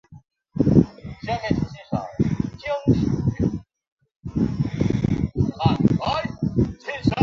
葡萄酒搭配食物是一种以特定食物和特定葡萄酒共食以增加两者风味的艺术。